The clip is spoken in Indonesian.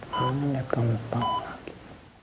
kangen liat kamu tau lagi